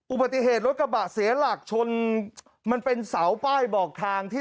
อุบัติเหตุรถกระบะเสียหลักชนมันเป็นเสาป้ายบอกทางที่